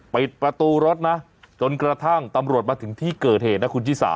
ปิดประตูรถนะจนกระทั่งตำรวจมาถึงที่เกิดเหตุนะคุณชิสา